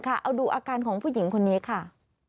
เอาดูอาการของผู้หญิงคนนี้ค่ะ